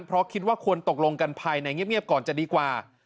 เพราะคิดว่าควรตกลงกันภายในเงียบก่อนจะดีกว่า